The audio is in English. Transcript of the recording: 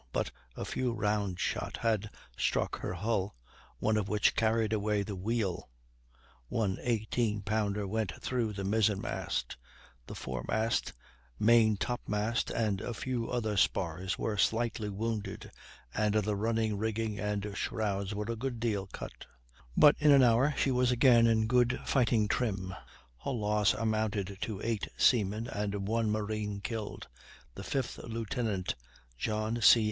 But a few round shot had struck her hull, one of which carried away the wheel; one 18 pounder went through the mizzen mast; the fore mast, main top mast, and a few other spars were slightly wounded, and the running rigging and shrouds were a good deal cut; but in an hour she was again in good fighting trim. Her loss amounted to 8 seamen and 1 marine killed; the 5th lieutenant, John C.